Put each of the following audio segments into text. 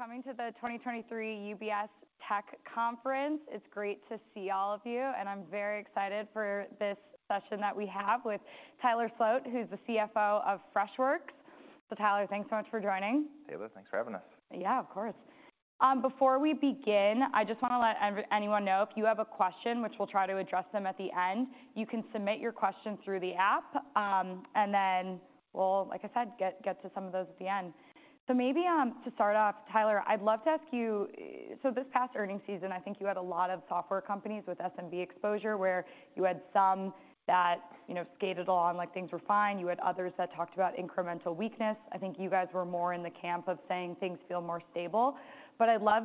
for coming to the 2023 UBS Tech Conference. It's great to see all of you, and I'm very excited for this session that we have with Tyler Sloat, who's the CFO of Freshworks. So Tyler, thanks so much for joining. Tyler, thanks for having us. Yeah, of course. Before we begin, I just wanna let everyone know, if you have a question, which we'll try to address them at the end, you can submit your questions through the app, and then we'll, like I said, get to some of those at the end. So maybe to start off, Tyler, I'd love to ask you, so this past earnings season, I think you had a lot of software companies with SMB exposure, where you had some that, you know, skated along, like things were fine. You had others that talked about incremental weakness. I think you guys were more in the camp of saying things feel more stable. But I'd love,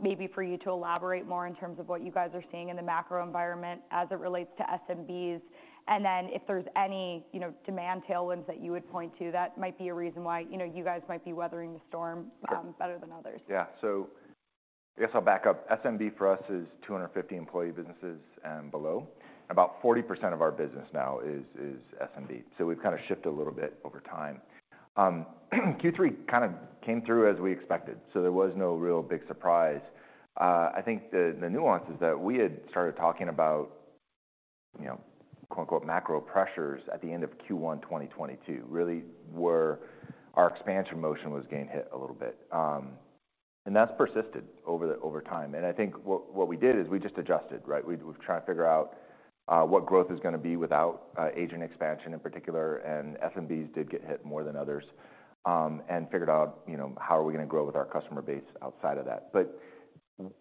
maybe for you to elaborate more in terms of what you guys are seeing in the macro environment as it relates to SMBs, and then if there's any, you know, demand tailwinds that you would point to, that might be a reason why, you know, you guys might be weathering the storm. Sure... better than others. Yeah. So I guess I'll back up. SMB for us is 250-employee businesses and below. About 40% of our business now is SMB, so we've kinda shifted a little bit over time. Q3 kind of came through as we expected, so there was no real big surprise. I think the nuances that we had started talking about, you know, quote, unquote, "macro pressures" at the end of Q1 2022, really were our expansion motion was getting hit a little bit. And that's persisted over time, and I think what we did is we just adjusted, right? We tried to figure out what growth is gonna be without agent expansion in particular, and SMBs did get hit more than others, and figured out, you know, how are we gonna grow with our customer base outside of that. But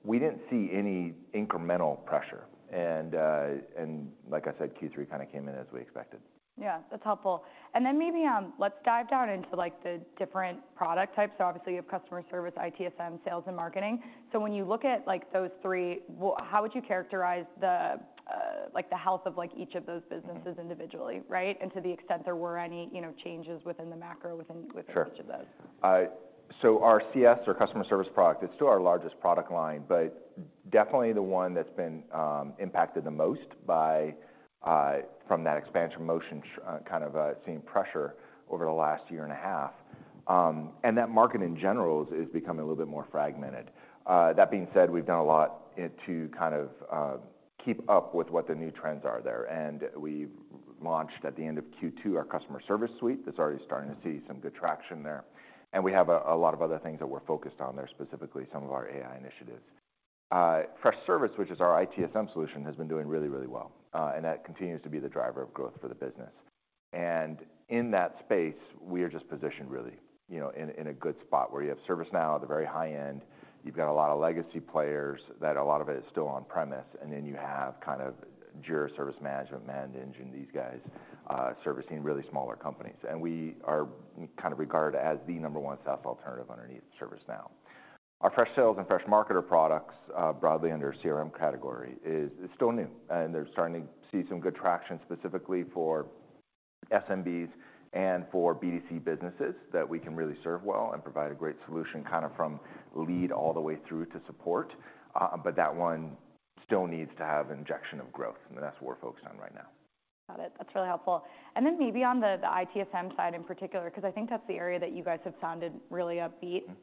we didn't see any incremental pressure, and like I said, Q3 kinda came in as we expected. Yeah, that's helpful. Then maybe, let's dive down into, like, the different product types. So obviously, you have customer service, ITSM, sales, and marketing. So when you look at, like, those three, how would you characterize the, like, the health of, like, each of those businesses... ...individually, right? And to the extent there were any, you know, changes within the macro Sure ...each of those. So our CS, or Customer Service, product, it's still our largest product line, but definitely the one that's been impacted the most by from that expansion motion, kind of seeing pressure over the last year and a half. And that market in general is becoming a little bit more fragmented. That being said, we've done a lot to kind of keep up with what the new trends are there, and we've launched, at the end of Q2, our Customer Service Suite. That's already starting to see some good traction there, and we have a lot of other things that we're focused on there, specifically some of our AI initiatives. Freshservice, which is our ITSM solution, has been doing really, really well, and that continues to be the driver of growth for the business. In that space, we are just positioned really, you know, in a good spot, where you have ServiceNow at the very high end. You've got a lot of legacy players that a lot of it is still on-premises, and then you have kind of Jira Service Management, ManageEngine, these guys servicing really smaller companies. We are kind of regarded as the number one SaaS alternative underneath ServiceNow. Our Freshsales and Freshmarketer products, broadly under our CRM category, is still new, and they're starting to see some good traction, specifically for SMBs and for B2C businesses that we can really serve well and provide a great solution, kind of from lead all the way through to support. But that one still needs to have injection of growth, and that's what we're focused on right now. Got it. That's really helpful. Then maybe on the, the ITSM side in particular, 'cause I think that's the area that you guys have sounded really upbeat- Mm-hmm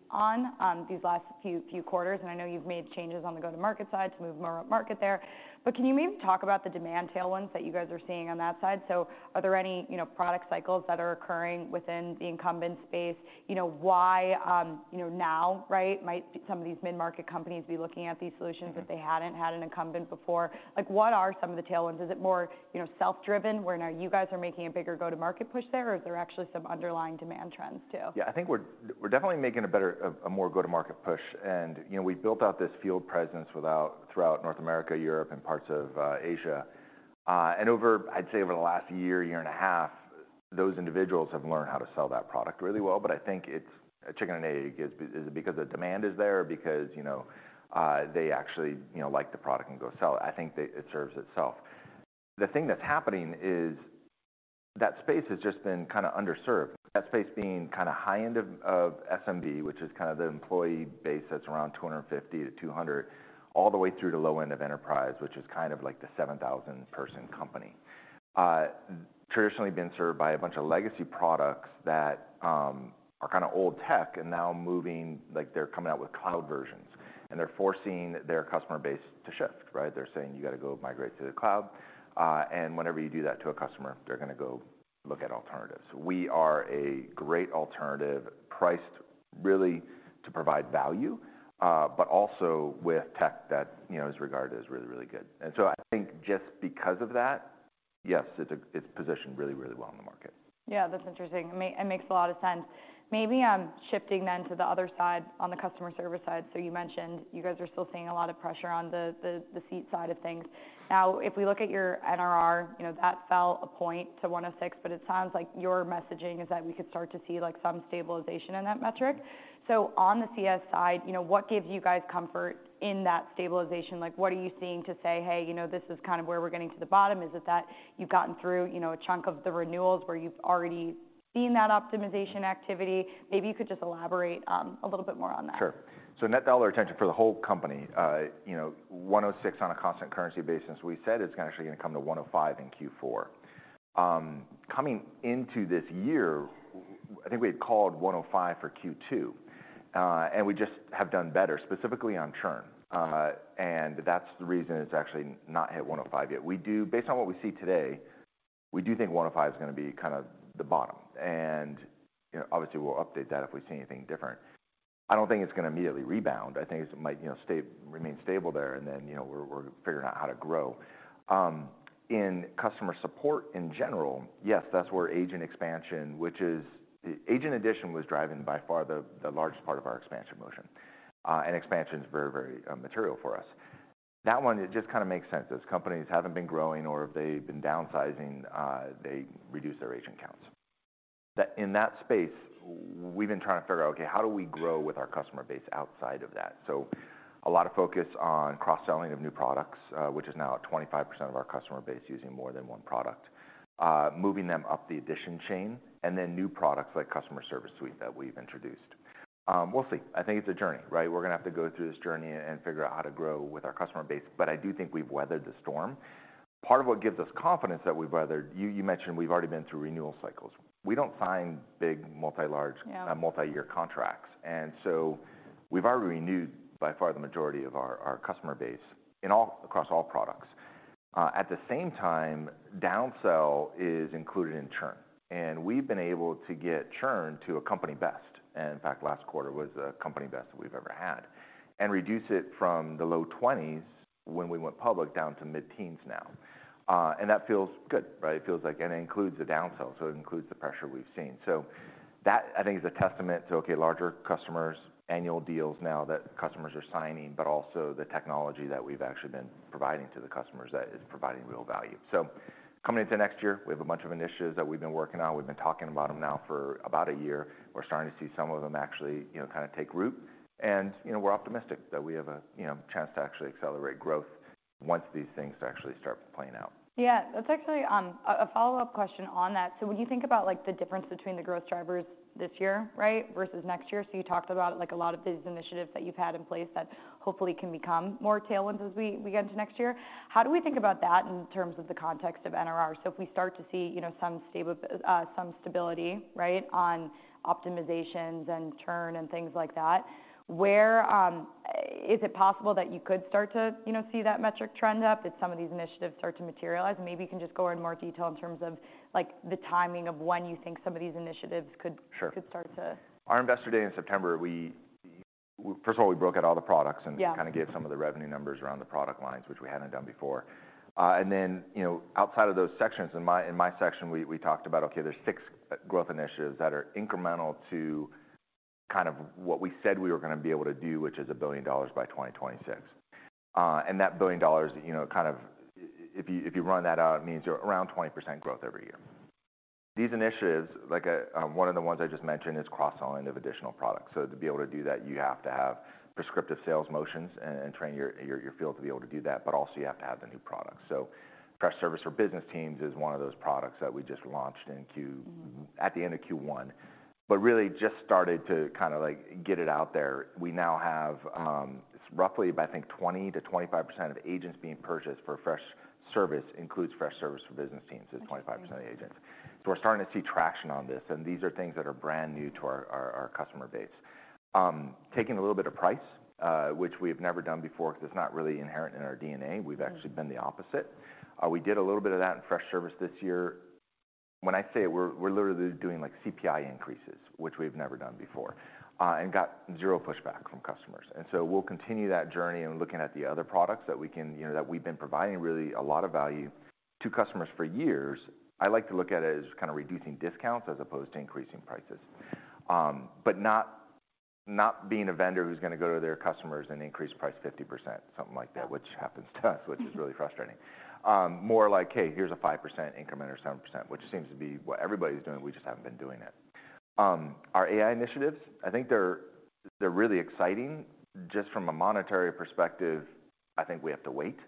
...on these last few quarters, and I know you've made changes on the go-to-market side to move more upmarket there. But can you maybe talk about the demand tailwinds that you guys are seeing on that side? So are there any, you know, product cycles that are occurring within the incumbent space? You know, why, you know, now, right, might some of these mid-market companies be looking at these solutions? Mm-hmm ...if they hadn't had an incumbent before? Like, what are some of the tailwinds? Is it more, you know, self-driven, where now you guys are making a bigger go-to-market push there, or is there actually some underlying demand trends, too? Yeah, I think we're definitely making a better, more go-to-market push. And, you know, we've built out this field presence throughout North America, Europe, and parts of Asia. And over, I'd say over the last year and a half, those individuals have learned how to sell that product really well. But I think it's a chicken and egg. Is it because the demand is there, or because, you know, they actually, you know, like the product and go sell it? I think it serves itself. The thing that's happening is that space has just been kinda underserved. That space being kinda high end of SMB, which is kind of the employee base that's around 250 to 200, all the way through to low end of enterprise, which is kind of like the 7,000-person company. Traditionally been served by a bunch of legacy products that are kinda old tech, and now moving. Like, they're coming out with cloud versions, and they're forcing their customer base to shift, right? They're saying, "You gotta go migrate to the cloud." And whenever you do that to a customer, they're gonna go look at alternatives. We are a great alternative, priced really to provide value, but also with tech that, you know, is regarded as really, really good. And so I think just because of that, yes, it's positioned really, really well in the market. Yeah, that's interesting. It makes a lot of sense. Maybe, shifting then to the other side, on the customer service side. So you mentioned you guys are still seeing a lot of pressure on the seat side of things. Now, if we look at your NRR, you know, that fell a point to 106, but it sounds like your messaging is that we could start to see, like, some stabilization in that metric. So on the CS side, you know, what gives you guys comfort in that stabilization? Like, what are you seeing to say, "Hey, you know, this is kind of where we're getting to the bottom?" Is it that you've gotten through, you know, a chunk of the renewals, where you've already seen that optimization activity? Maybe you could just elaborate, a little bit more on that. Sure. So net dollar retention for the whole company, you know, 106 on a constant currency basis, we said it's actually gonna come to 105 in Q4. Coming into this year, I think we had called 105 for Q2, and we just have done better, specifically on churn. And that's the reason it's actually not hit 105 yet. Based on what we see today, we do think 105 is gonna be kind of the bottom, and, you know, obviously, we'll update that if we see anything different. I don't think it's gonna immediately rebound. I think it might, you know, stay- remain stable there, and then, you know, we're, we're figuring out how to grow. In customer support in general, yes, that's where agent expansion, which is—agent addition was driving by far the largest part of our expansion motion. And expansion's very, very material for us. That one, it just kinda makes sense, as companies haven't been growing, or if they've been downsizing, they reduce their agent counts. In that space, we've been trying to figure out, okay, how do we grow with our customer base outside of that? So a lot of focus on cross-selling of new products, which is now at 25% of our customer base using more than one product. Moving them up the addition chain, and then new products, like Customer Service Suite, that we've introduced. We'll see. I think it's a journey, right? We're gonna have to go through this journey and figure out how to grow with our customer base, but I do think we've weathered the storm. Part of what gives us confidence that we've weathered. You, you mentioned we've already been through renewal cycles. We don't sign big multi large- Yeah… multi-year contracts, and so we've already renewed, by far, the majority of our customer base across all products. At the same time, downsell is included in churn, and we've been able to get churn to a company best, and in fact, last quarter was the company best that we've ever had, and reduce it from the low 20s when we went public, down to mid-teens now. And that feels good, right? It feels like… And it includes the downsell, so it includes the pressure we've seen. So that, I think, is a testament to, okay, larger customers, annual deals now that customers are signing, but also the technology that we've actually been providing to the customers that is providing real value. So coming into next year, we have a bunch of initiatives that we've been working on. We've been talking about them now for about a year. We're starting to see some of them actually, you know, kinda take root, and, you know, we're optimistic that we have a, you know, chance to actually accelerate growth once these things actually start playing out. Yeah. That's actually a follow-up question on that. So when you think about, like, the difference between the growth drivers this year, right, versus next year, so you talked about, like, a lot of these initiatives that you've had in place that hopefully can become more tailwinds as we get into next year. How do we think about that in terms of the context of NRR? So if we start to see, you know, some stability, right, on optimizations and churn and things like that, where... Is it possible that you could start to, you know, see that metric trend up, if some of these initiatives start to materialize? Maybe you can just go in more detail in terms of, like, the timing of when you think some of these initiatives could- Sure - could start to- Our Investor Day in September, first of all, we broke out all the products- Yeah and kinda gave some of the revenue numbers around the product lines, which we hadn't done before. And then, you know, outside of those sections, in my section, we talked about, okay, there's six growth initiatives that are incremental to kind of what we said we were gonna be able to do, which is $1 billion by 2026. And that $1 billion, you know, kind of if you, if you run that out, it means you're around 20% growth every year. These initiatives, like, one of the ones I just mentioned, is cross-selling of additional products. So to be able to do that, you have to have prescriptive sales motions and train your field to be able to do that, but also you have to have the new products. So Freshservice for Business Teams is one of those products that we just launched in Q-... at the end of Q1, but really just started to kinda, like, get it out there. We now have, it's roughly about, I think, 20%-25% of agents being purchased for Freshservice, includes Freshservice for Business Teams- I see. It's 25% of the agents. So we're starting to see traction on this, and these are things that are brand new to our customer base. Taking a little bit of price, which we have never done before, because it's not really inherent in our DNA- We've actually been the opposite. We did a little bit of that in Freshservice this year. When I say it, we're literally doing, like, CPI increases, which we've never done before, and got zero pushback from customers. And so we'll continue that journey and looking at the other products that we can, you know, that we've been providing, really, a lot of value to customers for years. I like to look at it as kind of reducing discounts as opposed to increasing prices. But not being a vendor who's gonna go to their customers and increase price 50%, something like that, which happens to us- which is really frustrating. More like, "Hey, here's a 5% increment or 7%," which seems to be what everybody's doing, we just haven't been doing it. Our AI initiatives, I think they're, they're really exciting. Just from a monetary perspective, I think we have to wait.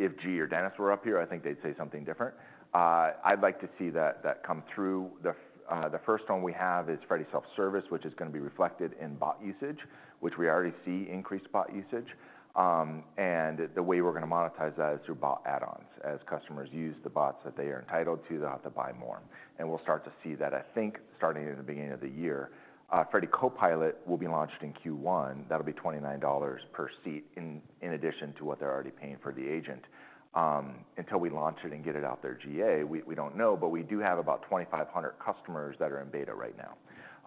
If G or Dennis were up here, I think they'd say something different. I'd like to see that, that come through. The first one we have is Freddy Self-Service, which is gonna be reflected in bot usage, which we already see increased bot usage. And the way we're gonna monetize that is through bot add-ons. As customers use the bots that they are entitled to, they'll have to buy more. And we'll start to see that, I think, starting at the beginning of the year. Freddy Copilot will be launched in Q1. That'll be $29 per seat, in addition to what they're already paying for the agent. Until we launch it and get it out there, GA, we don't know, but we do have about 2,500 customers that are in beta right now,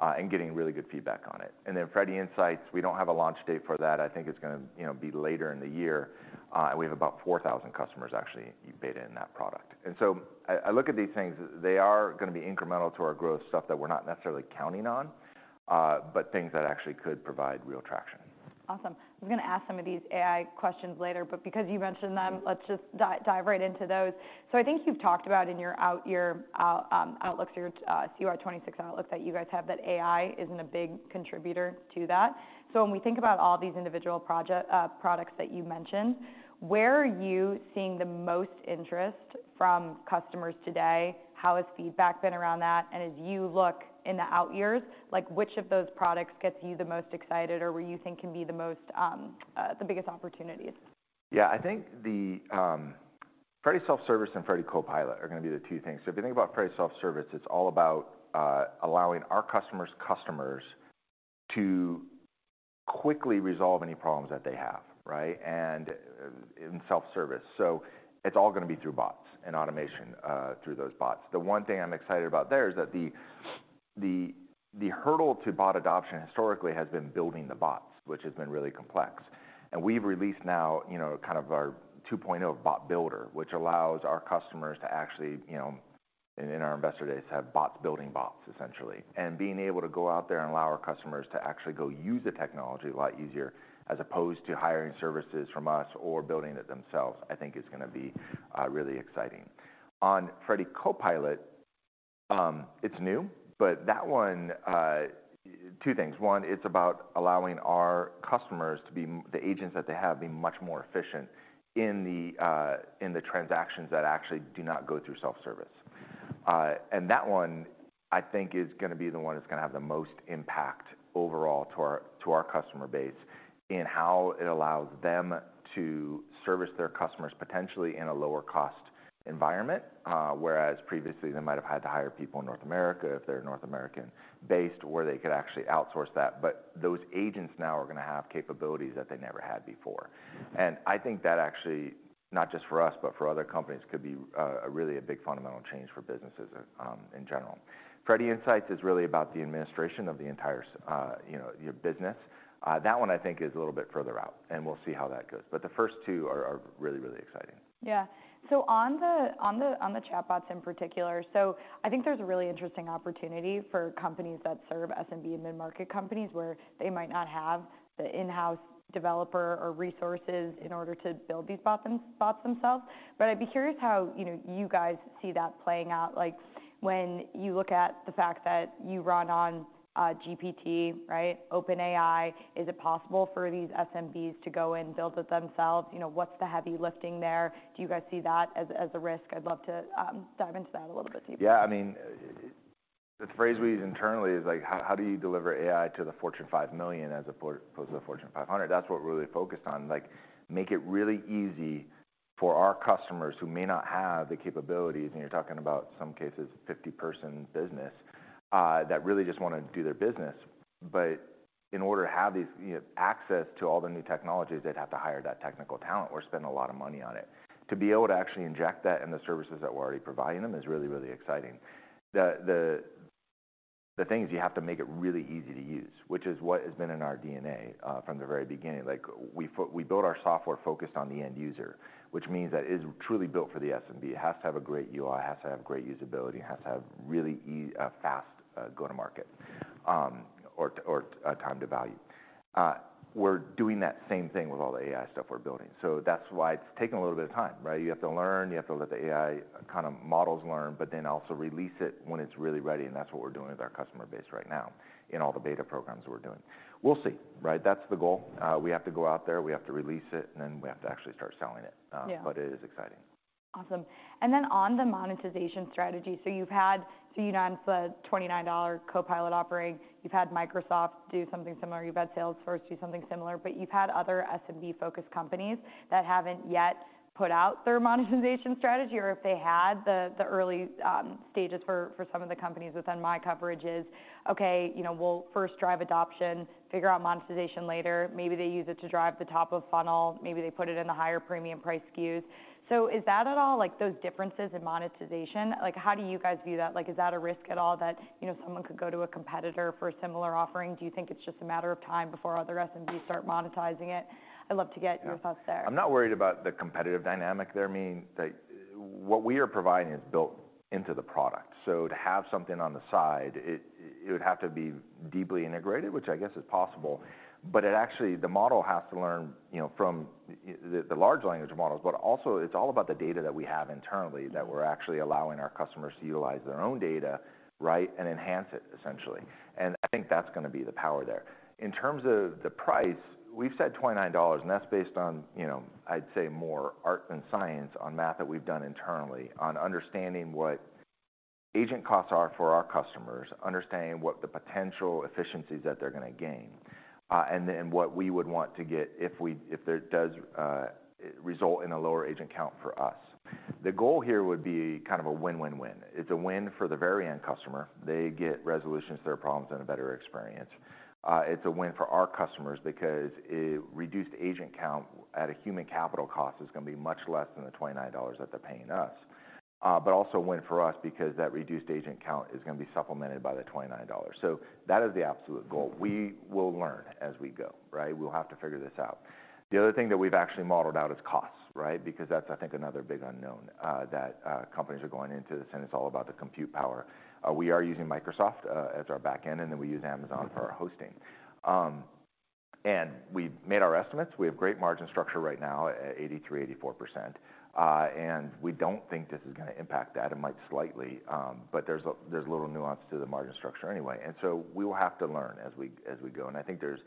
and getting really good feedback on it. Then Freddy AI Insights, we don't have a launch date for that. I think it's gonna, you know, be later in the year. And we have about 4,000 customers actually in beta in that product. And so I look at these things, they are gonna be incremental to our growth, stuff that we're not necessarily counting on, but things that actually could provide real traction. Awesome. I was gonna ask some of these AI questions later, but because you mentioned them- Let's just dive right into those. So I think you've talked about in your outlooks, your FY '26 outlook, that you guys have, that AI isn't a big contributor to that. So when we think about all these individual products that you mentioned, where are you seeing the most interest from customers today? How has feedback been around that? And as you look in the out years, like, which of those products gets you the most excited or where you think can be the most, the biggest opportunities?... Yeah, I think the Freddy Self-Service and Freddy Copilot are gonna be the two things. So if you think about Freddy Self-Service, it's all about allowing our customers' customers to quickly resolve any problems that they have, right? And in self-service. So it's all gonna be through bots and automation through those bots. The one thing I'm excited about there is that the hurdle to bot adoption historically has been building the bots, which has been really complex. And we've released now, you know, kind of our 2.0 bot builder, which allows our customers to actually, you know, in our investor days, have bots building bots, essentially. And being able to go out there and allow our customers to actually go use the technology a lot easier, as opposed to hiring services from us or building it themselves, I think is gonna be really exciting. On Freddy Copilot, it's new, but that one, two things. One, it's about allowing our customers to be the agents that they have, be much more efficient in the transactions that actually do not go through self-service. And that one, I think, is gonna be the one that's gonna have the most impact overall to our, to our customer base in how it allows them to service their customers, potentially in a lower cost environment. Whereas previously, they might have had to hire people in North America, if they're North American based, where they could actually outsource that. But those agents now are gonna have capabilities that they never had before. And I think that actually, not just for us, but for other companies, could be a really a big fundamental change for businesses, in general. Freddy Insights is really about the administration of the entire you know, your business. That one, I think, is a little bit further out, and we'll see how that goes. But the first two are, are really, really exciting. Yeah. So on the chatbots in particular, so I think there's a really interesting opportunity for companies that serve SMB and mid-market companies, where they might not have the in-house developer or resources in order to build these bots themselves. But I'd be curious how, you know, you guys see that playing out, like, when you look at the fact that you run on GPT, right, OpenAI, is it possible for these SMBs to go and build it themselves? You know, what's the heavy lifting there? Do you guys see that as a risk? I'd love to dive into that a little bit deeper. Yeah, I mean, the phrase we use internally is, like, how do you deliver AI to the Fortune 5 Million, as opposed to the Fortune 500? That's what we're really focused on. Like, make it really easy for our customers who may not have the capabilities, and you're talking about, some cases, a 50-person business, that really just wanna do their business. But in order to have these, you know, access to all the new technologies, they'd have to hire that technical talent or spend a lot of money on it. To be able to actually inject that in the services that we're already providing them is really, really exciting. The thing is, you have to make it really easy to use, which is what has been in our DNA, from the very beginning. Like, we build our software focused on the end user, which means that it's truly built for the SMB. It has to have a great UI, it has to have great usability, it has to have really fast go-to-market, or time to value. We're doing that same thing with all the AI stuff we're building, so that's why it's taking a little bit of time, right? You have to learn, you have to let the AI kinda models learn, but then also release it when it's really ready, and that's what we're doing with our customer base right now in all the beta programs we're doing. We'll see, right? That's the goal. We have to go out there, we have to release it, and then we have to actually start selling it. Yeah. But it is exciting. Awesome. And then on the monetization strategy, so you've had, so you announced the $29 Copilot offering, you've had Microsoft do something similar, you've had Salesforce do something similar, but you've had other SMB-focused companies that haven't yet put out their monetization strategy, or if they had, the early stages for some of the companies within my coverage is, okay, you know, we'll first drive adoption, figure out monetization later. Maybe they use it to drive the top of funnel, maybe they put it in the higher premium price SKUs. So is that at all, like, those differences in monetization—like, how do you guys view that? Like, is that a risk at all that, you know, someone could go to a competitor for a similar offering? Do you think it's just a matter of time before other SMBs start monetizing it? I'd love to get your thoughts there. I'm not worried about the competitive dynamic there, meaning, like, what we are providing is built into the product. So to have something on the side, it would have to be deeply integrated, which I guess is possible. But it actually, the model has to learn, you know, from the large language models, but also, it's all about the data that we have internally, that we're actually allowing our customers to utilize their own data, right, and enhance it, essentially. And I think that's gonna be the power there. In terms of the price, we've said $29, and that's based on, you know, I'd say more art than science, on math that we've done internally, on understanding what agent costs are for our customers, understanding what the potential efficiencies that they're gonna gain, and then what we would want to get if there does result in a lower agent count for us. The goal here would be kind of a win-win-win. It's a win for the very end customer. They get resolutions to their problems and a better experience. It's a win for our customers because a reduced agent count at a human capital cost is gonna be much less than the $29 that they're paying us. But also a win for us because that reduced agent count is gonna be supplemented by the $29. So that is the absolute goal. We will learn as we go, right? We'll have to figure this out. The other thing that we've actually modeled out is costs, right? Because that's, I think, another big unknown, that companies are going into this, and it's all about the compute power. We are using Microsoft as our back end, and then we use Amazon for our hosting. And we've made our estimates. We have great margin structure right now, at 83%-84%. And we don't think this is gonna impact that. It might slightly, but there's a little nuance to the margin structure anyway, and so we will have to learn as we go. And I think there's-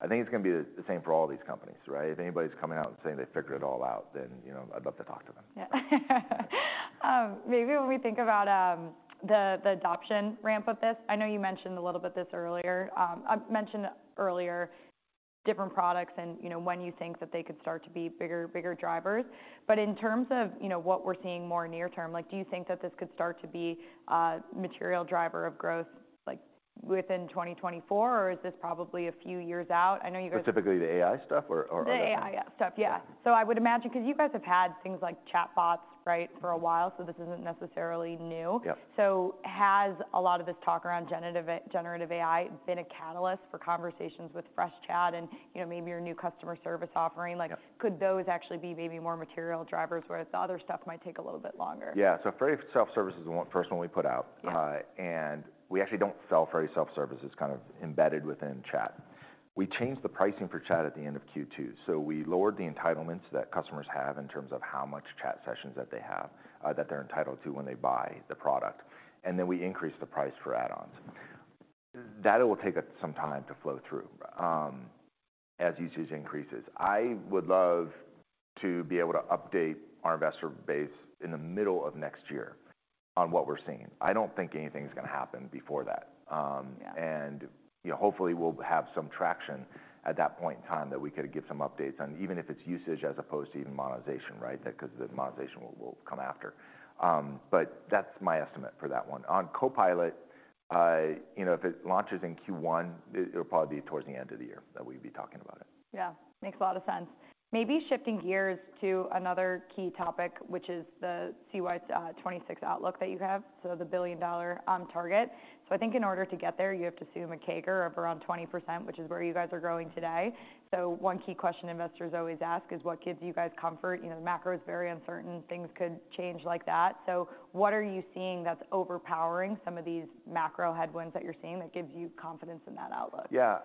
I think it's gonna be the same for all these companies, right? If anybody's coming out and saying they've figured it all out, then, you know, I'd love to talk to them. Yeah.... Maybe when we think about the adoption ramp of this, I know you mentioned a little bit this earlier. I've mentioned earlier, different products and, you know, when you think that they could start to be bigger, bigger drivers. But in terms of, you know, what we're seeing more near term, like, do you think that this could start to be a material driver of growth, like, within 2024? Or is this probably a few years out? I know you guys- Typically the AI stuff or all that? The AI, yeah, stuff. Yeah. So I would imagine, 'cause you guys have had things like chatbots, right, for a while, so this isn't necessarily new. Yep. Has a lot of this talk around generative, generative AI been a catalyst for conversations with Freshchat and, you know, maybe your new customer service offering? Yeah. Like, could those actually be maybe more material drivers, whereas the other stuff might take a little bit longer? Yeah. So Freddy Self-Service is the one, first one we put out. Yeah. And we actually don't sell Freddy Self Service; it's kind of embedded within chat. We changed the pricing for chat at the end of Q2, so we lowered the entitlements that customers have in terms of how much chat sessions that they have that they're entitled to when they buy the product, and then we increased the price for add-ons. That will take us some time to flow through as usage increases. I would love to be able to update our investor base in the middle of next year on what we're seeing. I don't think anything's gonna happen before that. Yeah. and, you know, hopefully we'll have some traction at that point in time that we could give some updates on, even if it's usage as opposed to even monetization, right? Because the monetization will, will come after. But that's my estimate for that one. On Copilot, you know, if it launches in Q1, it, it'll probably be towards the end of the year that we'd be talking about it. Yeah, makes a lot of sense. Maybe shifting gears to another key topic, which is the CY 2026 outlook that you have, so the billion-dollar target. So I think in order to get there, you have to assume a CAGR of around 20%, which is where you guys are growing today. So one key question investors always ask is: What gives you guys comfort? You know, the macro is very uncertain, things could change like that. So what are you seeing that's overpowering some of these macro headwinds that you're seeing, that gives you confidence in that outlook? Yeah.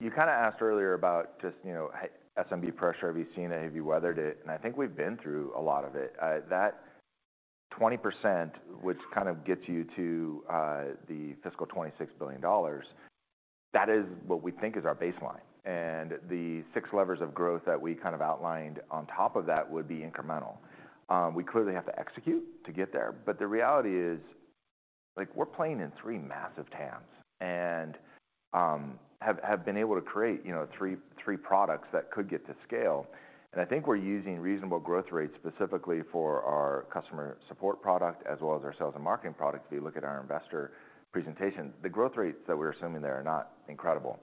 You kinda asked earlier about just, you know, hey, SMB pressure, have you seen it? Have you weathered it? And I think we've been through a lot of it. That 20%, which kind of gets you to the fiscal 2026 $26 billion, that is what we think is our baseline, and the six levers of growth that we kind of outlined on top of that would be incremental. We clearly have to execute to get there, but the reality is, like, we're playing in three massive TAMs, and have been able to create, you know, three products that could get to scale. And I think we're using reasonable growth rates specifically for our customer support product, as well as our sales and marketing product. If you look at our investor presentation, the growth rates that we're assuming there are not incredible.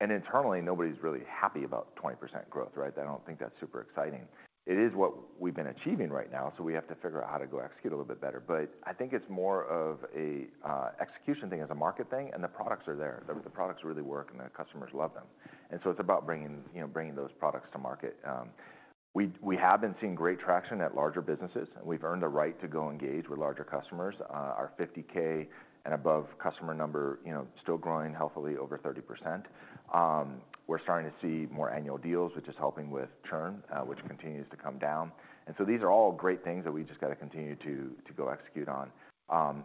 Internally, nobody's really happy about 20% growth, right? I don't think that's super exciting. It is what we've been achieving right now, so we have to figure out how to go execute a little bit better. But I think it's more of a execution thing as a market thing, and the products are there. The products really work and the customers love them. And so it's about bringing, you know, bringing those products to market. We have been seeing great traction at larger businesses, and we've earned the right to go engage with larger customers. Our 50k and above customer number, you know, still growing healthily over 30%. We're starting to see more annual deals, which is helping with churn, which continues to come down. And so these are all great things that we just got to continue to go execute on.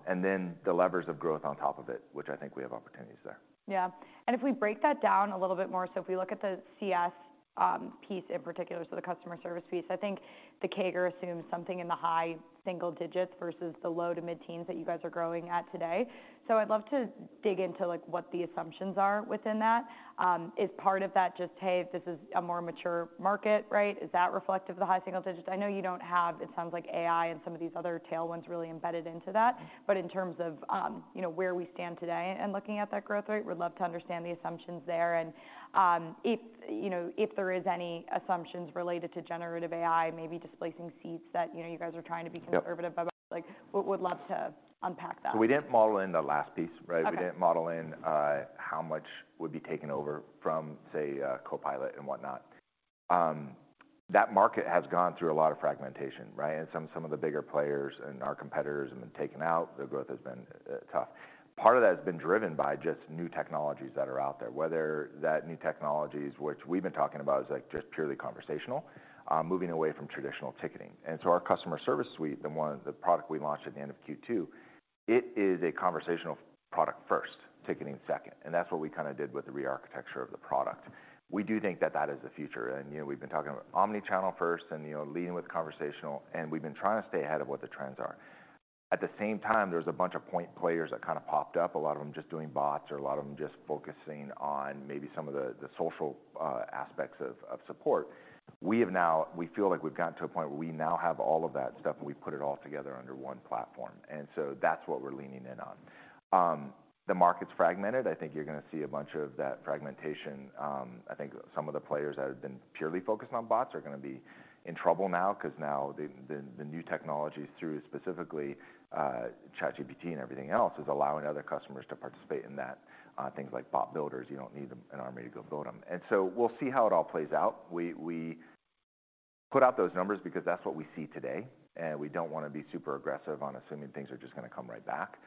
And then the levers of growth on top of it, which I think we have opportunities there. Yeah. And if we break that down a little bit more, so if we look at the CS piece in particular, so the customer service piece, I think the CAGR assumes something in the high single digits versus the low to mid-teens that you guys are growing at today. So I'd love to dig into, like, what the assumptions are within that. Is part of that just, hey, this is a more mature market, right? Is that reflective of the high single digits? I know you don't have, it sounds like AI and some of these other tail ones really embedded into that. But in terms of, you know, where we stand today and looking at that growth rate, would love to understand the assumptions there. And, if, you know, if there is any assumptions related to generative AI, maybe displacing seats that, you know, you guys are trying to be- Yep... conservative about, like, would, would love to unpack that. We didn't model in the last piece, right? Okay. We didn't model in how much would be taken over from, say, Copilot and whatnot. That market has gone through a lot of fragmentation, right? And some of the bigger players and our competitors have been taken out. The growth has been tough. Part of that has been driven by just new technologies that are out there. Whether that new technologies, which we've been talking about, is, like, just purely conversational, moving away from traditional ticketing. And so our Customer Service Suite, the one, the product we launched at the end of Q2, it is a conversational product first, ticketing second, and that's what we kinda did with the rearchitecture of the product. We do think that that is the future, and, you know, we've been talking about Omni-channel first and, you know, leading with conversational, and we've been trying to stay ahead of what the trends are. At the same time, there's a bunch of point players that kind of popped up, a lot of them just doing bots or a lot of them just focusing on maybe some of the, the social, aspects of, of support. We have now, we feel like we've gotten to a point where we now have all of that stuff and we've put it all together under one platform, and so that's what we're leaning in on. The market's fragmented. I think you're gonna see a bunch of that fragmentation. I think some of the players that have been purely focused on bots are gonna be in trouble now, 'cause now the, the, the new technologies, through specifically, ChatGPT and everything else, is allowing other customers to participate in that. Things like bot builders, you don't need an army to go build them. And so we'll see how it all plays out. We put out those numbers because that's what we see today, and we don't wanna be super aggressive on assuming things are just gonna come right back.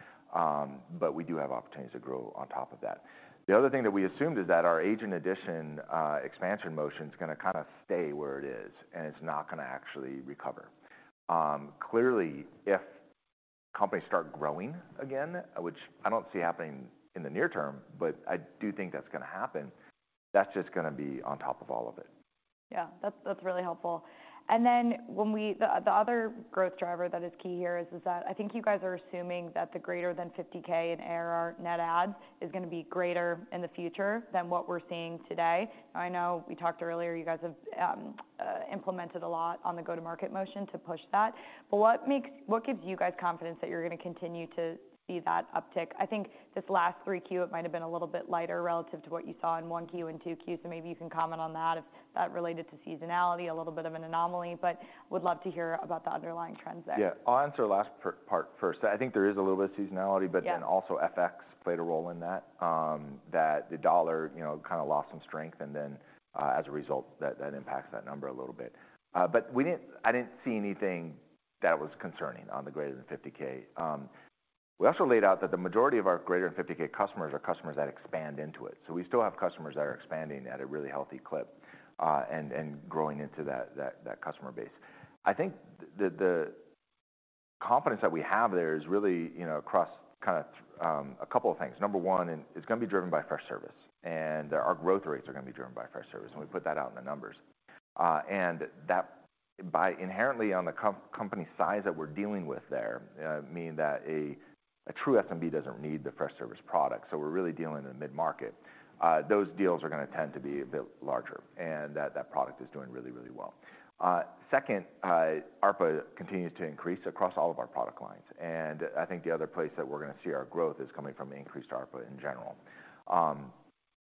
But we do have opportunities to grow on top of that. The other thing that we assumed is that our agent addition, expansion motion is gonna kinda stay where it is, and it's not gonna actually recover. Clearly, if-... companies start growing again, which I don't see happening in the near term, but I do think that's gonna happen. That's just gonna be on top of all of it. Yeah, that's, that's really helpful. Then the other growth driver that is key here is that I think you guys are assuming that the greater than 50K in ARR net add is gonna be greater in the future than what we're seeing today. I know we talked earlier, you guys have implemented a lot on the go-to-market motion to push that. But what makes, what gives you guys confidence that you're gonna continue to see that uptick? I think this last 3Q, it might have been a little bit lighter relative to what you saw in 1Q and 2Q, so maybe you can comment on that, if that related to seasonality, a little bit of an anomaly, but would love to hear about the underlying trends there. Yeah. I'll answer the last part first. I think there is a little bit of seasonality- Yeah... but then also FX played a role in that, that the dollar, you know, kinda lost some strength, and then, as a result, that impacts that number a little bit. But we didn't. I didn't see anything that was concerning on the greater than 50K. We also laid out that the majority of our greater than 50K customers are customers that expand into it. So we still have customers that are expanding at a really healthy clip, and growing into that customer base. I think the confidence that we have there is really, you know, across kind of a couple of things. Number one, and it's gonna be driven by Freshservice, and our growth rates are gonna be driven by Freshservice, and we put that out in the numbers. And that by inherently on the company size that we're dealing with there mean that a true SMB doesn't need the Freshservice product, so we're really dealing in the mid-market. Those deals are gonna tend to be a bit larger, and that product is doing really, really well. Second, ARPA continues to increase across all of our product lines, and I think the other place that we're gonna see our growth is coming from increased ARPA in general.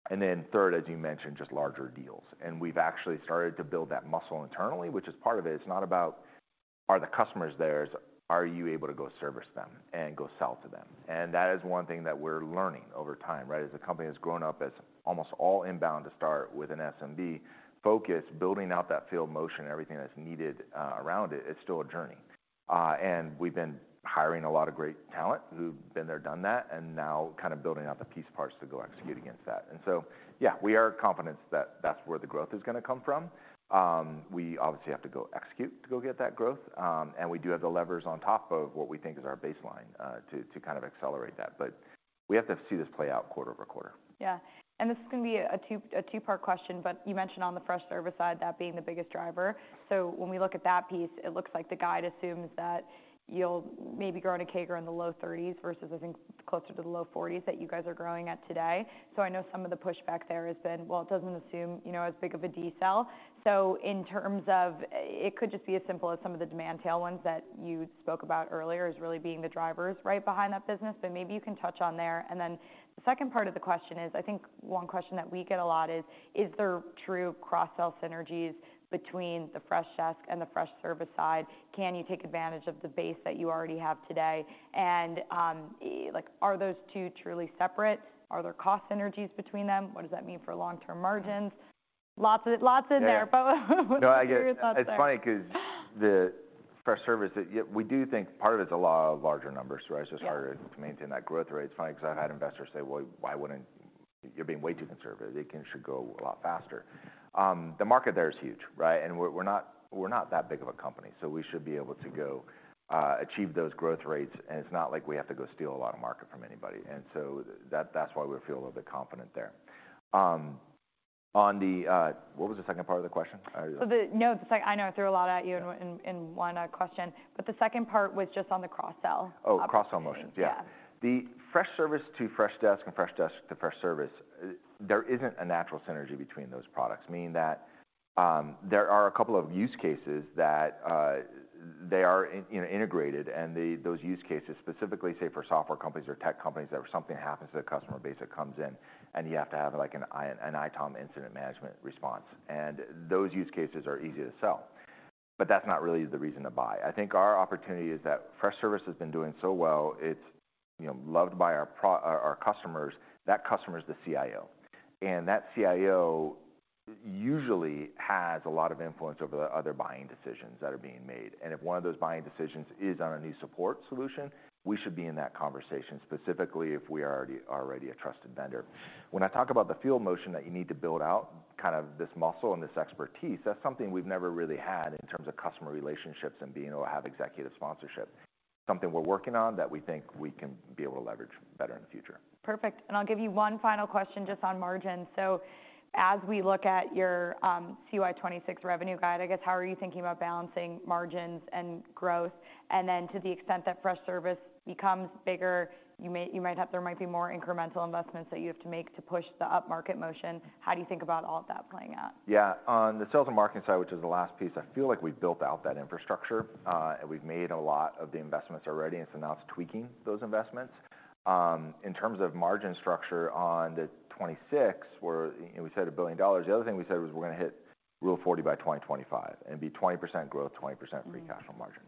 And then third, as you mentioned, just larger deals. And we've actually started to build that muscle internally, which is part of it. It's not about, are the customers there? It's, are you able to go service them and go sell to them? And that is one thing that we're learning over time, right? As a company that's grown up as almost all inbound to start with an SMB focus, building out that field motion, everything that's needed around it, it's still a journey. We've been hiring a lot of great talent who've been there, done that, and now kind of building out the piece parts to go execute against that. So, yeah, we are confident that that's where the growth is gonna come from. We obviously have to go execute to go get that growth, and we do have the levers on top of what we think is our baseline, to kind of accelerate that. But we have to see this play out quarter-over-quarter. Yeah. And this is gonna be a two-part question, but you mentioned on the Freshservice side, that being the biggest driver. So when we look at that piece, it looks like the guide assumes that you'll maybe grow at a CAGR in the low 30s versus, I think, closer to the low 40s that you guys are growing at today. So I know some of the pushback there has been, well, it doesn't assume, you know, as big of a decel. So in terms of... It could just be as simple as some of the demand tailwinds that you spoke about earlier as really being the drivers right behind that business, but maybe you can touch on there. And then the second part of the question is, I think one question that we get a lot is: Is there true cross-sell synergies between the Freshdesk and the Freshservice side? Can you take advantage of the base that you already have today? And, like, are those two truly separate? Are there cost synergies between them? What does that mean for long-term margins? Lots in there, but what are your thoughts there? No, I get it. It's funny because the Freshservice, yet we do think part of it's a lot of larger numbers, right? Yeah. So it's harder to maintain that growth rate. It's funny because I've had investors say, "Well, why wouldn't... You're being way too conservative. It can, should go a lot faster." The market there is huge, right? And we're, we're not, we're not that big of a company, so we should be able to go, achieve those growth rates, and it's not like we have to go steal a lot of market from anybody, and so that- that's why we feel a little bit confident there. On the... What was the second part of the question? I- I know I threw a lot at you in one question, but the second part was just on the cross-sell- Oh, cross-sell motions. Yeah. The Freshservice to Freshdesk and Freshdesk to Freshservice, there isn't a natural synergy between those products. Meaning that, there are a couple of use cases that, they are in, you know, integrated, and those use cases, specifically, say, for software companies or tech companies, that if something happens to the customer base that comes in and you have to have, like, an ITOM incident management response, and those use cases are easy to sell. But that's not really the reason to buy. I think our opportunity is that Freshservice has been doing so well, it's, you know, loved by our pros, our customers. That customer is the CIO, and that CIO usually has a lot of influence over the other buying decisions that are being made, and if one of those buying decisions is on a new support solution, we should be in that conversation, specifically if we are already a trusted vendor. When I talk about the field motion that you need to build out, kind of this muscle and this expertise, that's something we've never really had in terms of customer relationships and being able to have executive sponsorship. Something we're working on that we think we can be able to leverage better in the future. Perfect. And I'll give you one final question just on margins. So as we look at your CY 2026 revenue guide, I guess, how are you thinking about balancing margins and growth? And then to the extent that Freshservice becomes bigger, you may, you might have- there might be more incremental investments that you have to make to push the upmarket motion, how do you think about all of that playing out? Yeah. On the sales and marketing side, which is the last piece, I feel like we've built out that infrastructure, and we've made a lot of the investments already, and so now it's tweaking those investments. In terms of margin structure on the 26, where, you know, we said $1 billion, the other thing we said was we're gonna hit Rule of 40 by 2025 and be 20% growth, 20% free cash flow margin.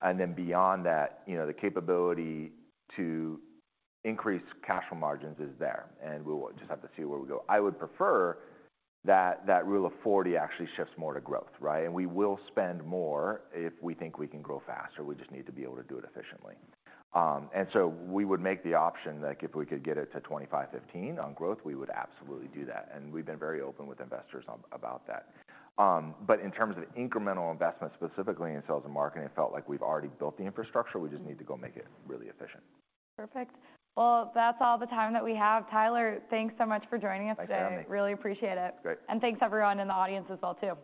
And then beyond that, you know, the capability to increase cash flow margins is there, and we'll just have to see where we go. I would prefer that that Rule of 40 actually shifts more to growth, right? And we will spend more if we think we can grow faster. We just need to be able to do it efficiently. And so we would make the option, like, if we could get it to 25, 15 on growth, we would absolutely do that, and we've been very open with investors on, about that. But in terms of incremental investments, specifically in sales and marketing, it felt like we've already built the infrastructure. We just need to go make it really efficient. Perfect. Well, that's all the time that we have. Tyler, thanks so much for joining us today. Thanks for having me. Really appreciate it. Great. Thanks, everyone, in the audience as well, too.